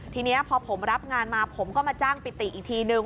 ทีนี้พอผมรับงานมาผมก็มาจ้างปิติอีกทีนึง